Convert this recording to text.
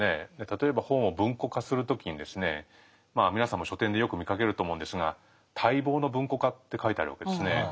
例えば本を文庫化する時に皆さんも書店でよく見かけると思うんですが「待望の文庫化」って書いてあるわけですね。